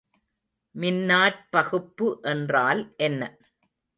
மின்னாற்பகுப்பு என்றால் என்ன?